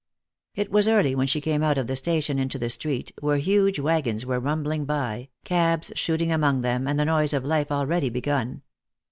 It was early when she came out of the station into the street, where huge waggons were rumbling by, cabs shooting among them, and the noise of life already begun.